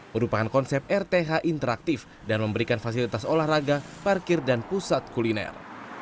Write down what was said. merupakan konsep rth interaktif dan memberikan fasilitas olahraga parkir dan pusat kuliner